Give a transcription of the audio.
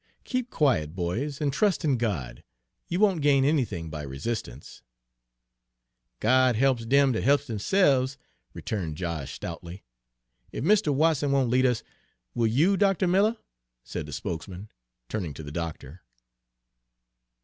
Keep quiet, boys, and trust in God. You won't gain anything by resistance." "'God he'ps dem dat he'ps demselves,'" returned Josh stoutly. "Ef Mr. Watson won't lead us, will you, Dr. Miller?" said the spokesman, turning to the doctor.